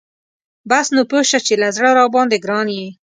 بس نو پوه شه چې له زړه راباندی ګران یي .